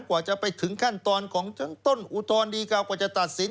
กว่าจะไปถึงขั้นตอนของต้นอุตรณ์ดีกว่ากว่าจะตัดสิน